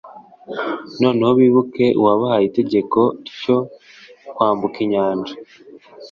noneho bibuka uwabahaye itegeko tyo kwambuka inyanja.